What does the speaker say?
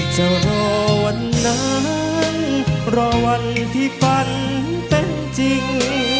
จะรอวันนั้นรอวันที่ฝันเป็นจริง